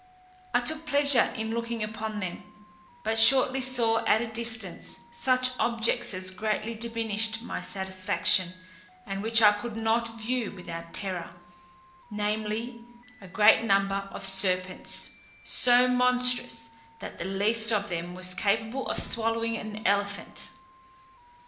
I took pleasure in looking upon them; but shortly saw at a distance such objects as greatly diminished my satisfaction, and which I could not view without terror, namely, a great number of serpents, so monstrous, that the least of them was capable of swallowing an elephant.